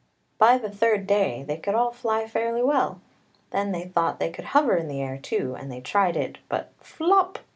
By the third day they could all fly fairly well; then they thought they could hover in the air, too, and they tried it, but flop